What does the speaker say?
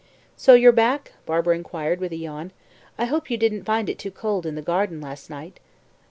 "So you're back?" Barbara inquired with a yawn. "I hope you didn't find it too cold in the garden last night."